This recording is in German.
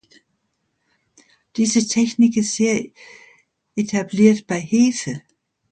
Diese Technik ist sehr etabliert bei Hefe.